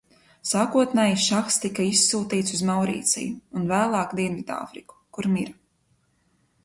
Sākotnēji šahs tika izsūtīts uz Maurīciju un vēlāk Dienvidāfriku, kur mira.